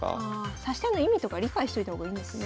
指し手の意味とか理解しといた方がいいんですね。